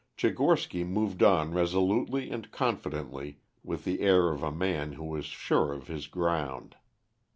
Tchigorsky moved on resolutely and confidently with the air of a man who is sure of his ground.